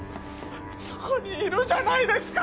そこにいるじゃないですか！